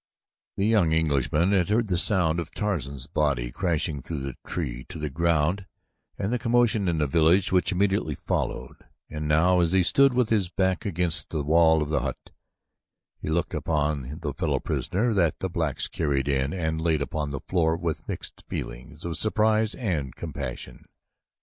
The young Englishman had heard the sound of Tarzan's body crashing through the tree to the ground and the commotion in the village which immediately followed, and now, as he stood with his back against the wall of the hut, he looked upon the fellow prisoner that the blacks carried in and laid upon the floor with mixed feelings of surprise and compassion.